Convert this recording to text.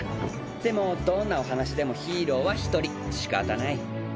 でもどんなお話でもヒーローは１人仕方ない。